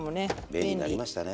便利になりましたね。